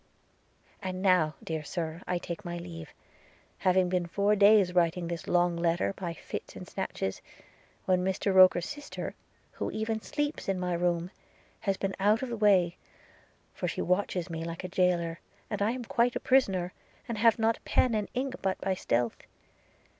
'And now, dear Sir, I take my leave, having been four days writing this long letter by fits and snatches, when Mr Roker's sister, who even sleeps in my room, has been out of the way; for she watches me like a jailor, and I am quite a prisoner: and have not pen and ink but by stealth.